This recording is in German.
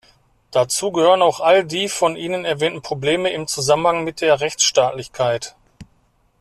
Dazu gehören auch all die von Ihnen erwähnten Probleme im Zusammenhang mit der Rechtsstaatlichkeit.